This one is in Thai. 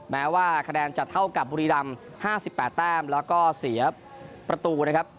แม้ว่าคะแนนจะเท่ากับบุรีรำ๕๘แต้มแล้วก็เสียประตูนะครับ